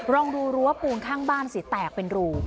ลองดูรั้วปูนข้างบ้านสิแตกเป็นรู